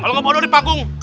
kalau ngebodor di panggung